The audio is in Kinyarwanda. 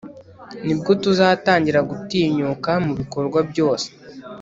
ni bwo tuzatangira gutinyuka mu bikorwa byose